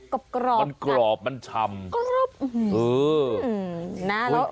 มันกรอบมันชำ